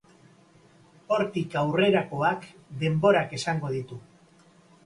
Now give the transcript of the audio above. Hortik aurrerakoak, denborak esango ditu.